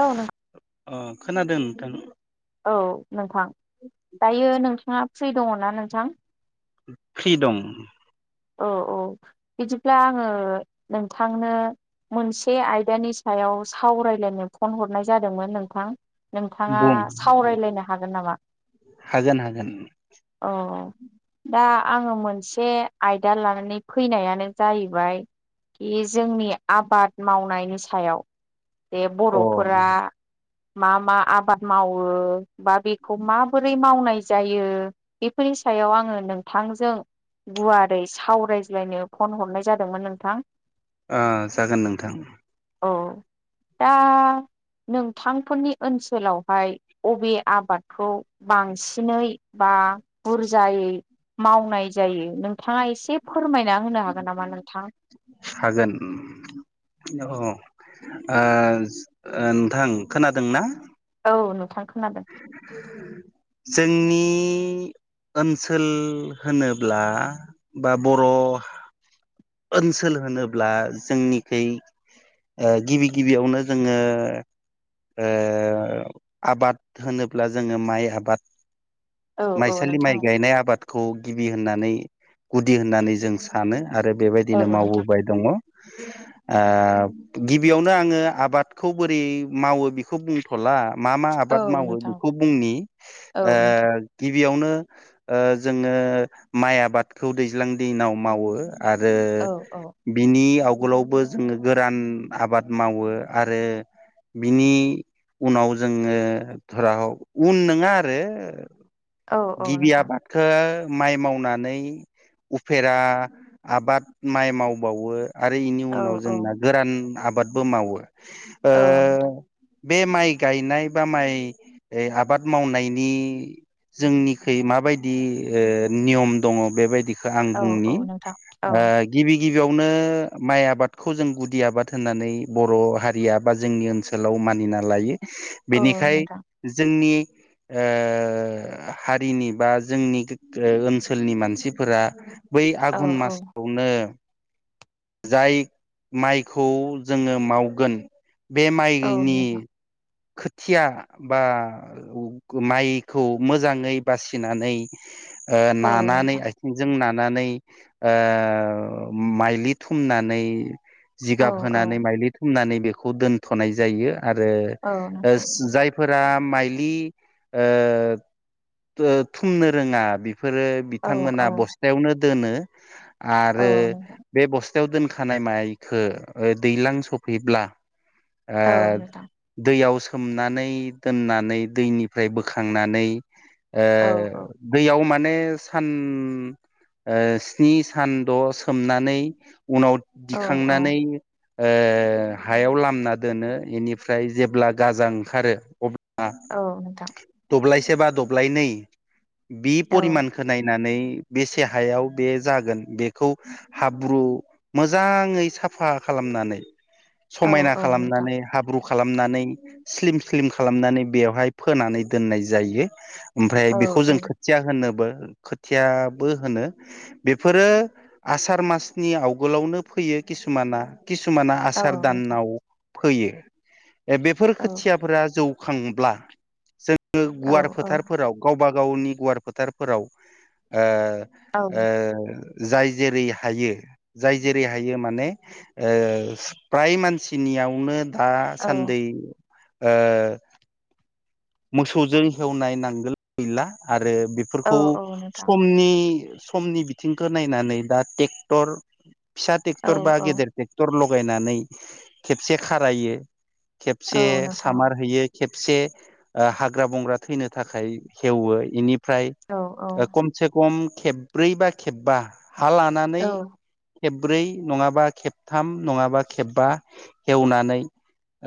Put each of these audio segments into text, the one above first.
औ न अ खोनादों नोंथां? औ नोंथां दायो नोंथाङा फ्रि दङना नोंथां? फ्रि दं। औ औ बिदिब्ला आङो नोंथांनो मोनसे आयदानि सायाव सावरायलायनो फन हरनाय जादोंमोन नोंथां? नोंथाङा बुं सावरायलायनो हागोन नामा? हागोन हागोन औ दा आङो मोनसे आयदा लानानै फैनायानो जाहैबाय खि जोंनि आबाद मावनायनि सायाव बे अ ओ बर'फोरा मा मा आबाद मावो बा बेखौ माबोरै मावनाय जायो बेफोर नि सायाव आङो नोंथांजों गुवार ओरै सावरायज्लायनो फन हरनाय जादोंमोन नोंथां। ओ जागोन नोंथां। औ दा नोंथांफोरनि ओनसोलावहाय अबे आबादखौ बांसिनै बा बुरजायै मावनाय जायो नों नोंथाङा एसे फोरमायना होनो हागोन नामा नोंथां? हागोन अ नोंथां खोनादोंना? औ नोंथां। खोनादों जोंनि नि ओनसोल होनोब्ला बा बर' ओनसोल होनोब्ला जोंनिखि गिबि गिबियावनो जोङो ओ आबाद होनोब्ला जोङो माइ आबाद औ औ माइसालि नोंथां माइ गायनाय आबादखौ गिबि होननानै गुदि होननानै जों सानो आरो औ बेबायदिनो नोंथां मावबोबाय दङ। आ गिबियावनो आङो आबादखौ बोरै मावो बेखौ बुंथ'ला मा मा औ आबाद मावो नोंथां बेखौ बुंनि औ ए नोंथां बेयावनो जोङो माइ आबादखौ दैज्लां दैनाव मावो। आरो औ औ बिनि आव आगोलावबो जोङो गोरान आबाद मावो आरो बिनि उनाव जोङो धर हक उन नङा आरो औ औ गिबि नोंथां आबादखौ माइ मावनानै उफेरा आबाद माइ मावबावो। आरो बेनि औ उनाव औ जोंना गोरान आबादबो मावो। ओ औ नोंथां। बे माइ गायनाय बा माइ आबाद मावनायनि जोंनिख माबायदि ओ नियम दङ बेबायदि आं औ औ बुंनि नोंथां औ गिबि गिबि गिबियावनो माइ आबादखौ जों गुदि आबाद होननानै बर' हारिया बा जोंनि ओनसोलाव मा मानिना लायो औ बेनिखाय नोंथां जोंनि ओ हारिनि बा जोंनि ओनसोलनि मानसिफोरा बै औ आघुन औ मासावनो जाय माइखौ जोङो मावगोन बे औ माइनि नोंथां खोथिया बा माइखौ मोजाङै बासिनानै औ नानानै नोंथां आथिं जों नाना नानै माइलि थुमनानै औ जिगाब औ होनानै माइलि थुमनानै बेखौ दोनथ'नाय जायो आरो औ नोंथां जायफोरा माइलि ओ थुमनो रोङा बेफोरो औ बिथांमोना औ बस्थायावनो दोनो औ आरो नोंथां बे बस्थायाव दोनखानाय माइखौ दैज्लां सफैब्ला ओ औ नोंथां दैयावसो सोमनानै दोननानै दैनिफ्राय बोखांनानै ओ औ औ दैयाव मान माने सान ओ स्नि सान द' सोमनानै उनाव औ दिखांनानै ओ हायाव लामना दोनो इनिफ्राय जेब्ला गाजा ओंखारो अब्ला औ नोंथां दब्लायसे बा दब्लायनै बि औ परिमानखौ नायनानै बेसे हायाव बे जागोन बेखौ हाब्रु मोजाङै साफा खालाम नानै औ समायना औ नोंथां खालामनानै हाब्रु खालामनानै स्लिम स्लिम खालामनानै बेवहाय फोनानै दोननाय जायो ओमफ्राय औ बेखौ औ जों खोथिया होनोबो खोथियाबो होनो बेफोरो आसार मासनि आवगोलावनो फोयो किसुमाना किसुमाना औ आसार नोंथां दानाव होयो बेफोर औ खोथियाफोरा जौखांब्ला जोङो औ गुवार औ फोथारफोराव गावबा गावनि गुवार फोथारफोराव ओ औ नोंथां ओ जाय जेरै हायो जाय जेरै हायो माने ओ प्राय मानसिनि यावनो दा औ सान्दै मोसौजों हेवनाय नांगोल गैला आरो बेफोरखौ औ औ नोंथां समनि समनि बिथिंखौ नायनानै दा ट्रेक्टर फिसा औ ट्रेक्टर बा गेदेर ट्रेक्टर लग लगायनानै खेबसे खारायो औ खेबसे सामार औ होयो खेबसे हाग्रा बंग्रा थैनो थाखाय हेवो इनि फ्राय खमसे खम खेबब्रै बा खेबबा हा लानानै खेबब्रै नङाबा खेबथाम नङाबा खेबबा एवनानै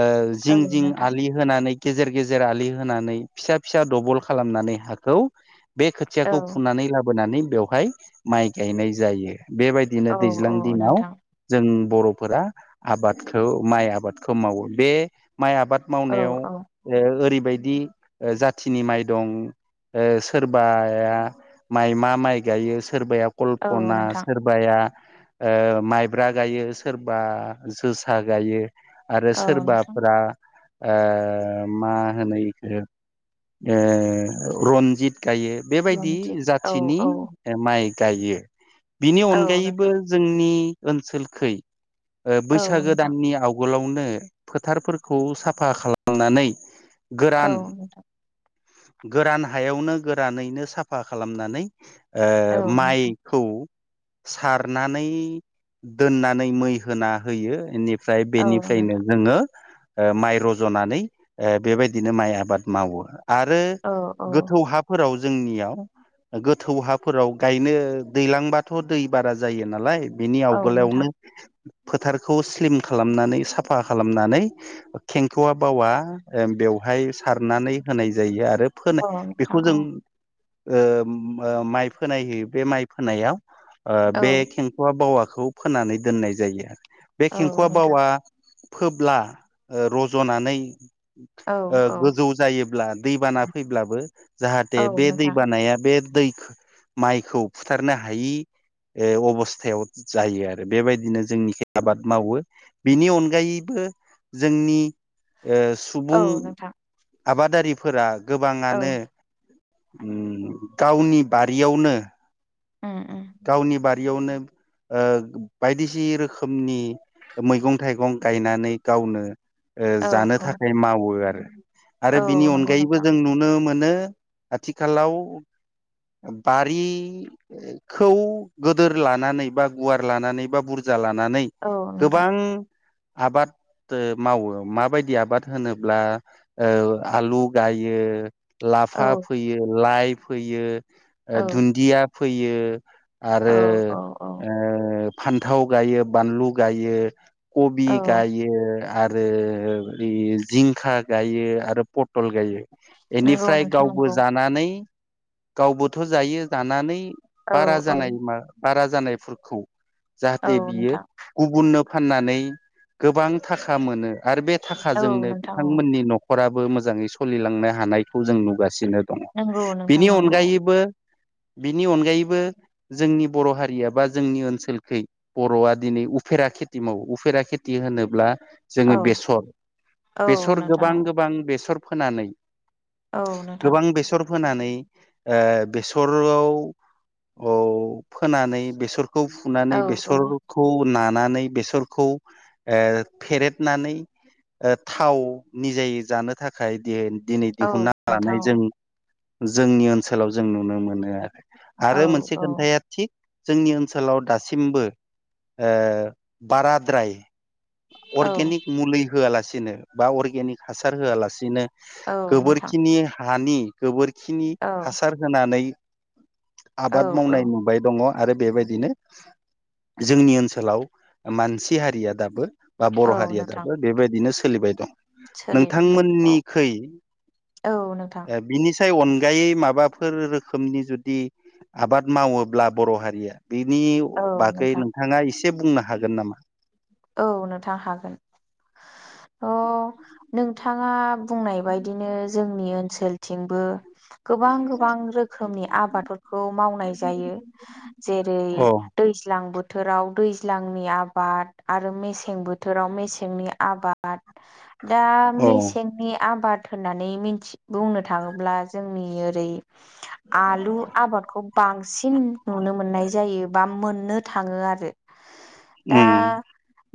ओ जिं जिं नोंथां आलि होनानै गेजेर गेजेर आलि होनानै फिसा फिसा दबल खालामनानै हाखौ बे औ खोथियाखौ फुनानै ला बोनानै बेवहाय माइ गायनाय जायो बेबायदिनो औ दैज्लां दिनाव नोंथां जों बर'फोरा आबादखौ माइ आबादखौ मावो बे माइ आबाद औ मावनायाव औ ओरैबायदि जाथिनि माइ दं सोरबाया माइ मा माइ गायो सोरबाया औ कल्पना नोंथां सोरबाया माइब्रा गायो सोरबा जोसा गायो आरो औ नोंथां सोरबाफ्रा ओ मा होनो ओ रन्जित गायो बेबायदि रनजित औ जाथिनि औ माइ गायो बिनि औ अनगायैबो नोंथां जोंनि ओनसोलखै औ बैसागो नोंथां दाननि आवगोलाव नो फोथारफोरखौ साफा खालामनानै गोरान [inaudible] गोरान हायावनो गोरानैनो साफा खालामनानै ओ औ नोंथां माइखौ सारनानै दोननानै मै होना होयो इनि फ्राय औ बेनिफ्रायनो नोंथां नोंङो ओ माइ रज'नानै ओ बेबायदिनो माइ आ बाद मावो आरो औ औ गोथौ हाफोराव जोंनियाव गोथौ हाफोराव गायनो दैलांबाथ' दै बारा जायो नालाय बिनि औ नोंथां आवगोलायावनो फोथारखौ स्लिम खालामनानै साफा खालामनानै खेंखआ बावा ओम बेवहाय सारनानै होनाय जायो आरो फोनो औ नोंथां बेखौ औ जों ओ माइ फोनाय होयो बे माइ फोनायाव ओ औ बे खेंखुवा बावा खौ फोनानै दोननाय जायो आरो बे औ खेंखुवा नोंथां बावा फोब्ला ओ रज'नानै औ ओ औ गोजौ जायोब्ला दैबाना फैब्लाबो जाहाथे औ बे नोंथां दैबानाया बे दै माइखौ फुथारनो हायि ओ अबस्थायाव जायो आरो बेबायदिनो जोंनिखि आबाद मावो बिनि अनगायैबो जोंनि ओ सुबुं औ नोंथां आबादारिफोरा औ गोबाङानो [inaudible] उम गावनि बारियावनो उम उम गावनि बारियावनो ओ बायदिसि रोखोमनि मैगं थाइगं गायनानै गावनो ओ औ जानो औ थाखाय मावो आरो आरो औ बिनि नंगौ अनगायैबो नोंथां जों नुनो मोनो [unintelligible] आथिखालाव बारि खौ गोदोर लानानै बा गुवार लानानै बा बुर जा लानानै औ नोंथां गोबां आबाद ओ मावो माबायदि आबाद होनोब्ला ओ आलु गायो औ लाफा फोयो लाइ फोयो औ दुन्दिया फोयो आरो औ औ औ ओ फान्थाव गायो बानलु गायो कबि औ गायो आरो जिंखा गायो आरो प टल गायो नंगौ इनिफ्राय नोंथां गावबो नंगौ जानानै गावबोथ' जायो जानानै औ बारा औ जानाय मा बारा जानायफोरखौ औ जाहाथे बियो नोंथां गुबुननो फाननानै गोबां थाखा मोनो आरो बे औ थाखाजोंनो नोंथां औ बिथांमोननि न'खराबो मो जाङै सोलिलांनो हानायखौ जों नुगासिनो दङ नंगौ नोंथां बिनि नंगौ अनगायैबो बिनि अनगायै बो जोंनि बर' हारिया बा जोंनि ओनसोलखै बर'आ दिनै उफेरा खेथि मावो उफे फेरा खेथि होनोब्ला जोंङो औ बेसर औ बेसर नोंथां गोबां औ गोबां बेसर फोनानै औ नोंथां गोबां बेसर फोनानै ओ बेसराव औ फोनानै बेसरखौ औ फुनानै औ बेसरखौ ना नानै बेसरखौ ओ फेरेदनानै ओ थाव निजायै जानो थाखाय दे दिनै औ दिहुनना नोंथां लानाय औ जों जोंनि ओनसोलाव जों नुनो मोनो आरो औ आरो मोनसे औ खोनथाया थिग जोंनि ओनसोलाव दासिमबो ओ बाराद्राय औ अर्गेनिक मुलि होआलासिनो बा अर्गेनिक हासार होआलासिनो औ नोंथां गोबोरखिनि हानि गोबोरखिनि औ हासार होनानै औ आबाद औ मावनाय नुबाय दङ आरो बेबायदिनो जोंनि ओनसोलाव मानसि हारिया दाबो बा औ बर' हारिया नोंथां दाबो बेबायदिनो सोलिबाय दं । सोलिबाय दं औ नोंथांमोननिखै औ नोंथां ओ बिनि फिथाइ अनगायै माबाफोर रोखोमनि जुदि आबाद मावोब्ला बर हारिया बिनि औ बागै नोंथां नोंथाङा एसे बुंनो हागोन नामा? औ नोंथां हागोन अ नोंथाङा बुंनाय बायदिनो जोंनि ओनसोलथिंबो गोबां गोबां रोखोमनि आबादफोरखौ मावनाय जायो जेरै अ दैज्लांबोथ बोथोराव दैज्लांनि आबाद आरो मेसें बोथोराव मेसेंनि आबाद। दा अ मेसेंनि आबाद होननानै मिथि बुंनो थाङोब्ला जोंनि ओरै आलु आबादखौ बांसिन नुनो मोननाय जायो बा मोन नो थाङो आरो उम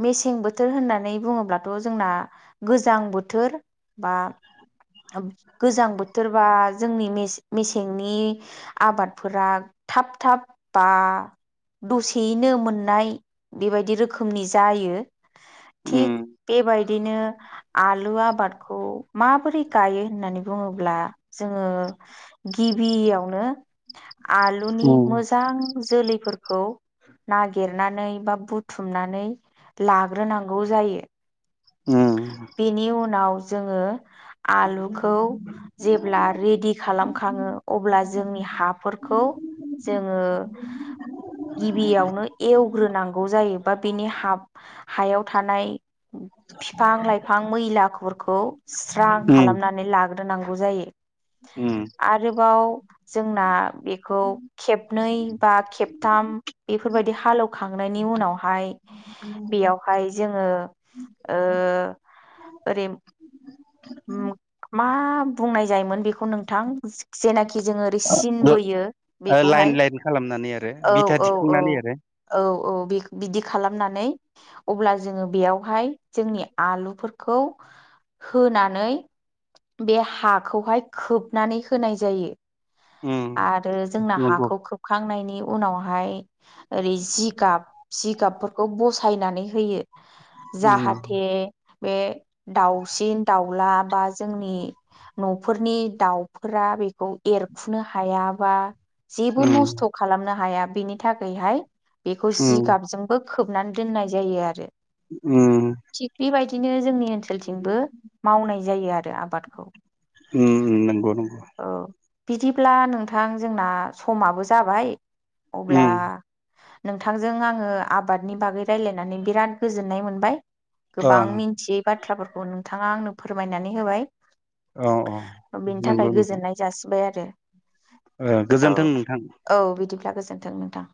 मेसें बोथोर होननानै बुङोब्लाथ जोंना गोजां बोथोर बा गोजां बोथोरबा जोंनि मेसेंनि आबादफोरा थाब-थाब बा दसेयैनो मोननाय बेबायदि रोखोमनि जायो। उम थिग बेबायदिनो आलु आबादखौ माबोरै गायो होननानै बुङोब्ला जोङो गिबियावनो आलुनि उम मोजां जोलैफोरखौ नागिरनानै बा बुथुमनानै लाग्रोनांगौ जायो। उम बेनि उनाव जोङो आलुखौ जेब्ला रेडि खालामखाङो अब्ला जोंनि हाफोरखौ जोङो गिबियावनो एव ग्रोनांगौ जायो बा बेनि हा हायाव थानाय बिफां-लाइफां मैलाफोरखौ स्रां उम खालामनानै लाग्रोनांगौ जायो। उम। आरोबाव जोंना बेखौ खेबनै बा खेबथाम बे बेफोरबायदि हालौवखांनायनि उनावहाय बेयावहाय जोङो ओ ओरै मा बुंनाय जायोमोन बेखौ नोंथां जेनाखि जोङो ओरै सिन ओ बोयो लाइन बेखौहाय लाइन खालामनानै आरो औ बिथा औ औ दिखांनानै आरो औ औ बे बि खालामनानै अब्ला जोङो बेयावहाय जोंनि आलुफोरखौ होनानै बे हाखौहाय खोबनानै होनाय जायो। उम आरो जोंना नंगौ हाखौ खोबखांनायनि उनावहाय ओरै जिगाब जिगाबफोरखौ बसायनानै होयो उम जाहाथे बे दाउसिन-दाउला बा जोंनि नफोरनि दाउफोरा बे खौ एरखुनो हाया बा जेबो उम नस्थ खालामनो हाया बेनि थाखायहाय बेखौ उम जिगाबजोंबो खोबनानै दोननाय जायो आरो। उम। बिदिनो जोंनि ओनसोलथिंबो मावनाय जायो आरो आबादखौ। उम उम नगौ नंगौ। औ बिदिब्ला नोंथां जोंना समाबो जाबाय अब्ला उम नोंथांजों आङो आबादनि बागै रायजलायनानै बिराद गोजोननाय मोनबाय। अ गोबां मिन्थियै बाथ्राफोरखौ नोंथाङा आंनो फोरमायनानै होबाय। औ औ बिनि नंगौ थाखाय नोंथां गोजोननाय जासिबाय आरो। ओ गोजोन्थों नोंथां। गोजोनथों नोंथां।